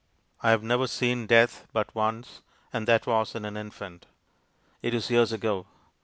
I have never seen death but once, and that was in an infant. It is years ago.